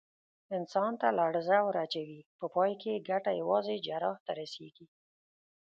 انسان ته لړزه ور اچوي، په پای کې یې ګټه یوازې جراح ته رسېږي.